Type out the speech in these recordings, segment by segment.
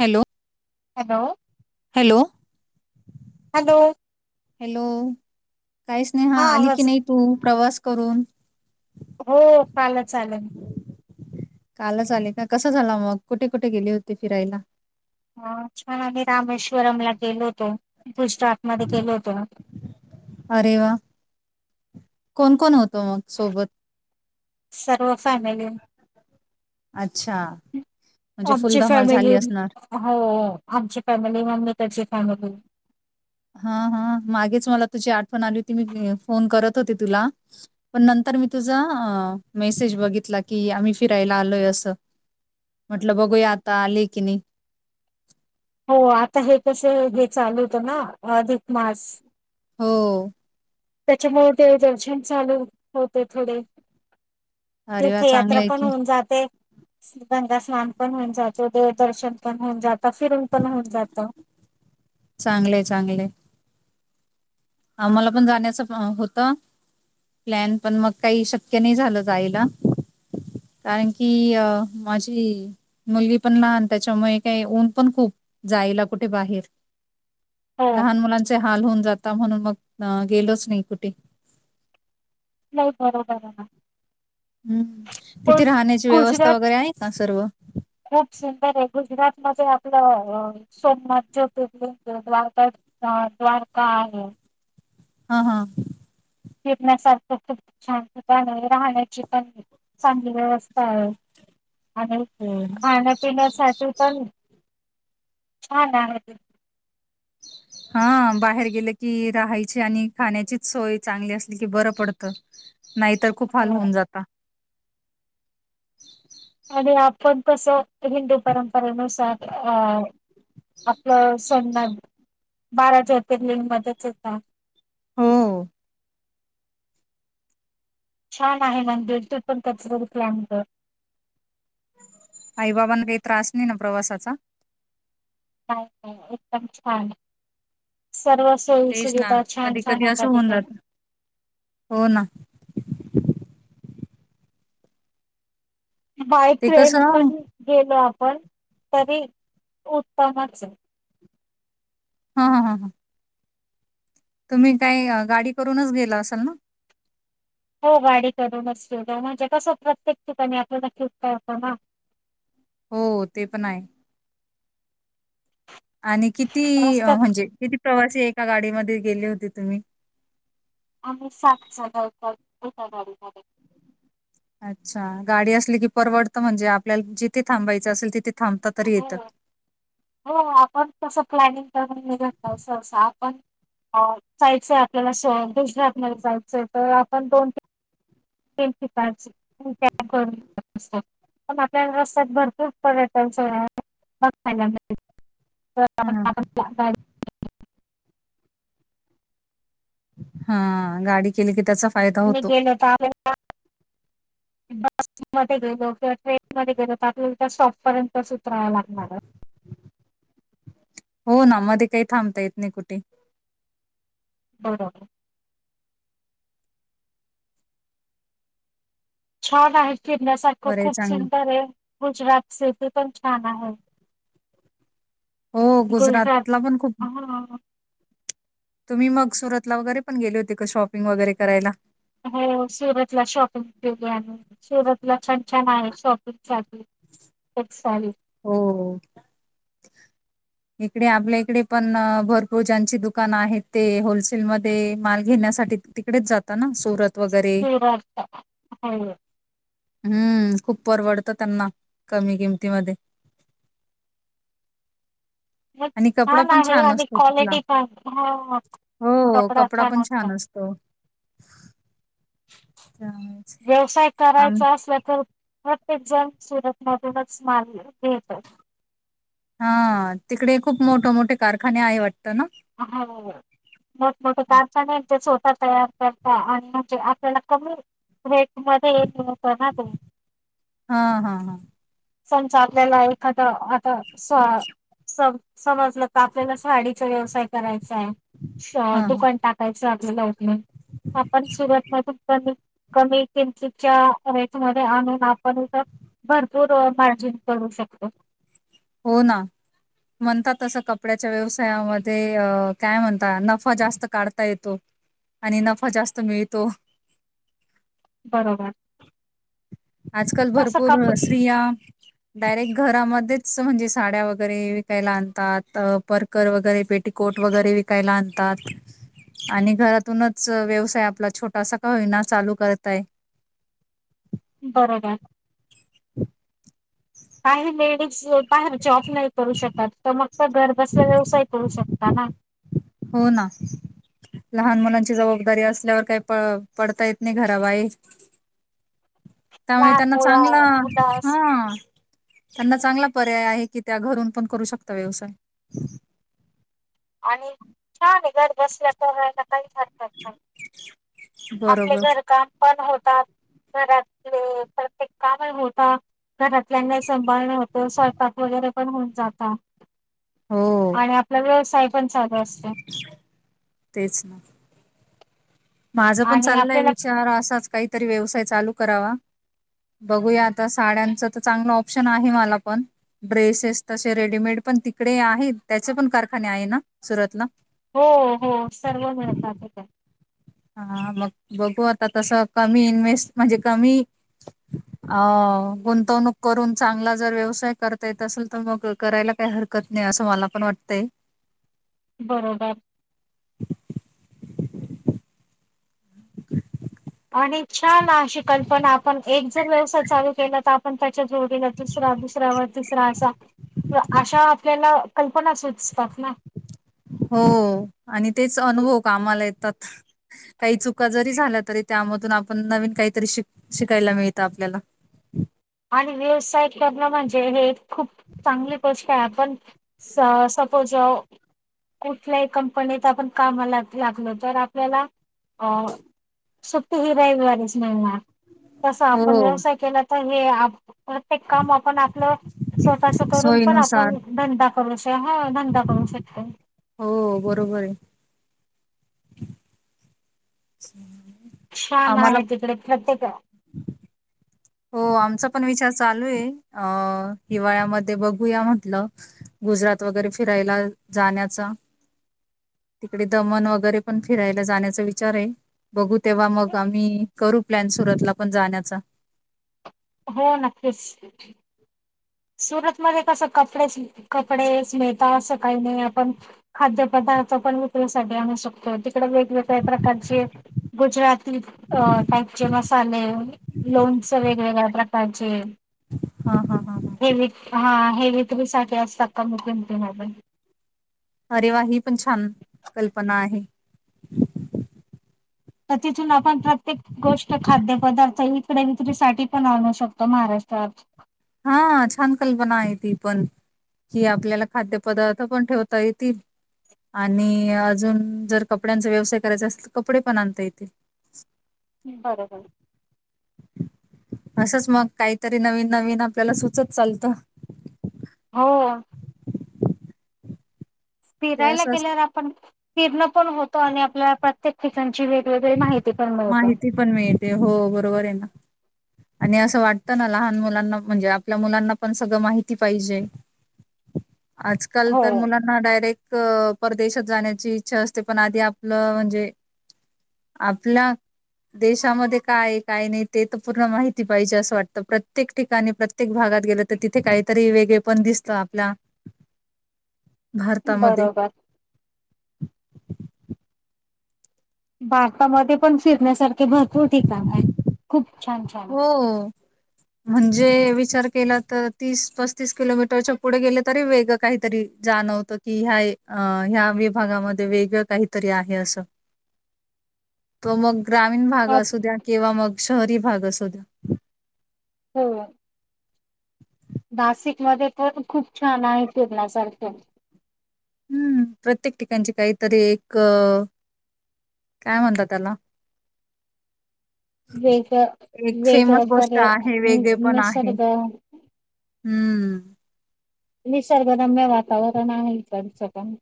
Hello hello hello hello hello काहीच नाही हा आली की नाही तू प्रवास करून हो काल चालं कालच आले का कसा झाला मग कुठे कुठे गेले होते फिरायला हा छान आम्ही रामेश्वरम ला गेलोतो त स्टॉक मध्ये केल होत अरे वा कोण कोण होतो मग सोबत सर्व फॅमिली अच्छा म्हणजे फुल आची धमाल झाली फॅमिली असणार हो आम फॅमिली त्याचे सांगत हा हा मागेच मला तुझी आठवण आली होती मी फोन करत होते तुला पण नंतर तर मी तुझा मेसेज बघितला की आम्ही फिरायला आलोय अस म्हटलं बघूया आता आली की नाही हो आता हे कसं हे चालू होत ना अधिक मास हो त्याच्यामुळे ते दर्शन चालू होते थोडे अरे वा चांगलं तीर्थयात्रा आहे पण की होऊन जाते गंगा स्नान पण होऊन जातो देवदर्शन पण होऊन जात फिरून पण होऊन जात चांगले चांगले आम्हाला पण जाण्याच होत प्लॅन पण मग काही शक्य नाही झालं जायला कारण की माझी मुलगी पण लहान त्याच्यामुळे काही ऊन पण खूप जायला कुठे बाहेर हो लहान मुलांचे हाल होऊन जात ता म्हणून मग गेलोच नाही कुठे नाही बरोबर हम्म तिथे पण राहण्याची गुजरात व्यवस्था वगैरे आहे ना सर्व म्हणजे आपलं सोमनाथ ज्योतिले द्वारका द्वारका आहे हा हा फेपण्यासारखं खूप छांतणे राहण्याची प चांगली व्यवस्था आहे आणि खाण्यापिण्यासाठी पण छ ना हा बाहेर गेलं की राहायची आणि खाण्याचीच सोय चांगली असली की बरं पडतं नाही तरर खूप हाल तिथे होऊन जाता आणि आपण कसं हिंदू परंपरेनुसार अ आपलं सणना बारा जते मदच होेत हो. छान आहे मंदिर तू पण कचरकलागत.. आई बाबांना काही त्रास नाही ना प्रवासाचा. एकदम छान आहे. सर्व सोयी तेच ना सुविधा छान कधी छान कधी असं आहेता होऊन तिके. जात हो ना बाय ते ट्रेन पण कसं गेलं. पण तरी उत्तमच. हा हा हा ह. तुम्ही काही गाडी करूनच गेलं असाल ना. हो गाडी करून म म्हणजे कसं प्रत्येक ठिकाणी आपला नत होता ना. हो ते पण आहे. आणि किती रस्त्यात म्हणजे किती प्रवासी एका गाडीमध्ये गेले होते तुम्ही. आ् सातच्या नौकर एठ गाडी झा.. अच्छा गाडी असली की परवडत म्हणजे आपल्याला जिथे थांबायचं असेल तिथे ता तरी येत. हो हो आपण तस प्लॅनिंग करून निघ [unintelligible] आपण जायचंय आपल्याला स दुसरं आपल्याला जायचंय तर आपण दोन तीन तेची [unintelligible] पण आपल्याला रस्त्यात भरपूर पर्यटन स बघायला मिळ हां, [unintelligible] हा गाडी केली की त्याचा फायदा मी होतो. गेलो [unintelligible] बस मध्ये गेलो किंवा ट्रेनमध्येध्ये गेलो त्यातल्या [unintelligible] हो ना मध्ये काही थांबता येत नाही कुठे. बरोबर. छान आहेत फिरण्यासारखं बरं आहे खूप चांगलं. सुंदर आहे गुजरात [unintelligible] पण छान आहे. हो गुजरात गुजरातला पण खूप हा तुम्ही मग सुरतला वगैरे पण गेले होते का शॉपिंग वगैरे करायला. हो सुरतला शॉपिंग केली आणि सुरतला छान छान आहे शॉपिंग साठी [unintelligible] हो. इकडे आपल्या इकडे पण भरपूर ज्यांची दुकानं आहेत ते होलसेलमध्ये माल घेण्या साठी तिकडेच जात ना सुरत वगैरे. सुरत हो हम्म खूप परवडतं त्यांना कमी किमतीमध्ये. [inaudible] आणि कपडा छान पण आहे आणि असतो तिथला. क्वालिटी [unintelligible] हो, कपडा पण छान [unintelligible] असतो. त्यामुळेच व्यवसाय आम करायचा असला तर प्रत्येक जण सुरत मधूनच माल घेतो हा तिकडे खूप मोठ मोठे कारखाने आहे वाटत. हो मोठमठे कारखान्याचे होत. तयार करता आणि म्हणजे आपल्याला कमी रेट मध्ये येत ना ते हा हा हा. समजा आपलेला एखादां आता स्.. स समजलं का आपल्याला साडीचा व्यवसाय करायचंय हां, हां. दुकान टाकायचं आपल्याला लवट आपण सुरत मधून पण कमी किंमतीच्या रेटमध्येध्ये आणून आपण भर - [unintelligible] मार्जिन करू शकतो. हो ना. म्हणतातसं कपड्याच्या व्यवसायामध्ये अ काय म्हणता नफा जास्त काढता येतो. आणि नफा जास्त मिळतो. बरोबर. आजकाल तसं भरपूर काप स्त्रिया डायरेक्ट घरामध्ये आस म्हणजे साड्या वगैरे विकायला आणतात पर्कर वगैरे पेटिकोट वगैरे विकायला आणतात, तात. आणि घरातूनच व्यवसाय आपला छोटासा का होईना चालू करताय. [inaudible] बरोबर. [inaudible] काही लेडीज बाहेर जॉब नाही करू शकत तर मग तर घरबसल्या व्यवसाय करू शकता ना. हो ना. लहान मुलांची जबाबदारी असल्यावर काही प पडता येत नाही घराबाहे. त्यामुळे लहान त्यांना मुला चांगलं मुलं अस हा. त्यांना चांगला पर्याय आहे की त्या घरून पण करू शकता व्यवसाय. आणि छान आहे घर बसल्या करायला. काहीच हरकत नाही. आपले बरोबर घरकाम पण होत, घरातले प्रत्येक काम होता, घरातल्या सांभाळन होत स्वयंपाक वगैरे पण होऊन जाता हो आनी आपला व्यवसाय पण चालू असत. माझं पण चाललंय विचार असाच काहीतरी व्यवसाय चालू करावा. बघूया आता साड्यांच तर चांगलं ऑप्शन आहे मला पण ड्रेसेस तसे रेडमेड, पण तिकडे आहे त्याचे पण कारखाने आहे ना सुरतला. हो हो सर्व मिळतात का. हा मग बघू आता तस कमी इन्व्स्ट म्हणजे कमी अ गुंतवणूक करून चांगला जर व्यवसाय करता येत असेल तर मग करायला काय हरकत नाही असं मला पण वाटतंय. बरोबर. आणि छान अशी कल्पना आपण एक जर व्यवसाय चालू केला तर आपण त्याच्या जोडीला दुसरा दुसऱ्या वर तिसरा असा अशा आपल्याला कल्पना सुचतात ना. हो आणि तेच अनुभव कामाला येतात काही चुका जरी झाल्या तरी त्यामधून आपण नवीन काहीतरी शिक शिकायला मिळतं आपल्याला. आणि व्यावसायिकलं म्हणजे हे खूप चांगली गोष्ट आपण जाव. कुठल्याही कंपनीत आपण कामाला लागलो तर आपल्याला अ सुट्टी हि रवीवारीच मिळणार तसं आपण हो व्यवसाय केला तर हे प्रत्येक काम आपण आपलं स्वतःच करून पण सोयीनुसार आपण धंदा करू शकतो. हा धंदा करू शकतो. हो बरोबर आहे. हम्. छान आहे तिकडे प्रत्येक [inaudible] हो आमचा पण विचार चालू आहे अ हिवाळ्यामध्ये बघूया म्हटलं. गुजरात वगैरे फिरायला जाण्याचा, तिकडे दमन वगैरे पण फिरायला जाण्याचा विचार आहे. बघू तेव्हा मग आम्ही करू प्लॅन सुरतला पण जाण्याचा. हो नक्कीच. सुरतमध्ये कस कपडे कपडेच मीलता आस काय नाही आपण खाद्यपदार्थ पन विक्रीसाठी आणू शकतो. वेगवेगळ्या प्रकारचे गुजराती टाईपचे मसाले लो चव वेगवेगळ्या प्रकारचे हा. हा. हेवी हा हेविकी साठी असतात कमी किंमती मोबाईल अरे वा. ही पण छान कल्पना आहे. तर तिथून आपण प्रत्येक गोष्ट खाद्यपदार्थ इकडे विक्रीसाठी पण आणू शकतो महाराष्ट्र सात हा छान कल्पना आहे. ती पण कि आपल्याला खाद्यपदार्थ पण ठेवता येतील आणि अजून जर कपड्यांचा व्यवसाय करायचा असेल तर कपडे पण आणता येतील बरं बरं असंच मग काहीतरी नवीन नवीन आपल्याला सुचत चालतं हो ते फिरायला असं गेल्यावर आपण फिरण पण होतो. आणि आपल्याला प्रत्येक ठिकाणची वेग माहिती पण मिळते हो, बरोबर आहे ना आणि असं वाटतं ना लहान मुलांना म्हणजे आपल्या मुलांना पण सगळं माहिती पाहिजे आजकाल तर हो मुलांना डायरेक्ट अ प्रदेशात जाण्याची इच्छा असते पणं आधी आपलं म्हणजे आपला देशांमध्ये काय आहे काय नाही ते तर पूर्ण माहिती पाहिजे असं वाटतं प्रत्येक ठिकाणीं प्रत्येक भागांत गेलं तर तिथे कांहीतरी वेगळे पणं दिसतं आपल्या भारतामध्ये बरोबर भारतामध्ये पणं फिरण्यासारखे भरपूर ठिकाणं आहेतः खूप छान छान हो. म्हणजे विचार केला तर तीस पस्तीस किलोमीटरच्या पुढें गेले तरी वेग कांहीतरी जा ध्याण होत की ह्या विभागांमध्ये वेगळं कांहीतरी आहे असं तो मग ग्रामीण भाग अप असू द्या किंवा मग शहरी भाग असू द्या होम् नाशिक मध्ये पण खूप छान आहे फिरण्यासारखे हम्म प्रत्येक ठिकाणचे कांहीतरी एक काय म्हणता त्याला वेग एक फ्रेम्स वेगळं गोष्ट पर्य आहे वेगळे नि- पणं आहे निसर्ग हम्म निसर्गरम्य वातावरण आहे इकडचं पणं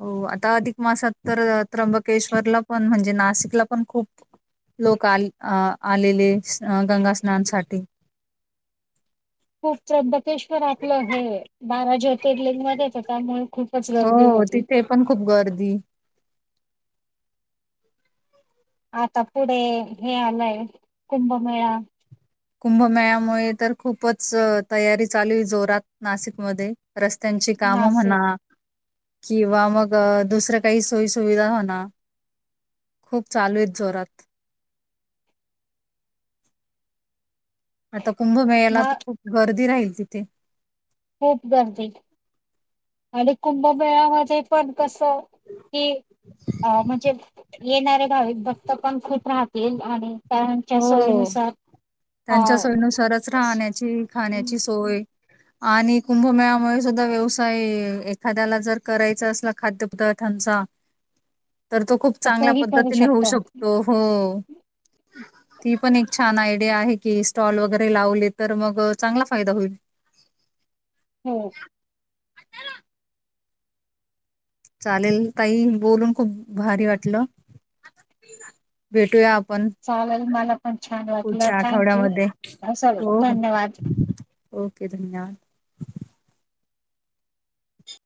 हो आता अधिक मासात तर त्र्यंबकेश्वरला पण म्हणजे नाशिकला पणं खूप लोक आले आलेले गंगा स्नानसाठी मुत्येश्वर आपलं हे बारा ज्योतिर्लिंग मध्येयेते त्यामुळे खूपचं गर्दी होते पणं खूप गर्दी आता पुढें हे आलंय कुंभमेळा कुंभमेळ्यामुळे तर खूपचं तयारी चालू आहे जोरात नाशिकमध्ये रस्त्यांची कामे नाशिक म्हणा किंवा मग दुसरं काही सोयीसुविधा हो ना खूप चालूं आहेतः जोरात आता कुंभमेळ्याला ना तर खूप गर्दी राहीलं तिथे खूप गर्दी आणि कुंभमेळामध्ये पणं कसं की म्हणजे येणारे भाविक भक्त पणं खूप राहतील आणि त्यांच्या हो, सोयीनुसार अ त्यांच्या सर्व सरस स- राहण्याची खाण्याची सोय आणि कुंभमेळामुळे सुद्धां व्यवसाय एखाद्याला जर करायचा असला खाद्यपदार्थांचा तर तो खूप चांगल्या तोही करू पद्धतीने होऊ शकतो हो ती पण एक छान आयडिया आहे की स्टॉल वगैरे लावले तर मग चांगला फायदा होईल हम्म चालेल ताई बोलून खूप भारी वाटलं भेटूया आपण चालेल मला पण छान वाटलं पुढच्या थँक आठवड्यामध्ये यू सर हो हो धन्यवाद ओके धन्यवाद